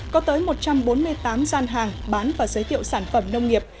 có tới một trăm bốn mươi tám gian hàng bán và giới thiệu sản phẩm nông nghiệp